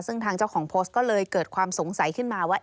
ซึ่งทางเจ้าของโพสต์ก็เลยเกิดความสงสัยขึ้นมาว่า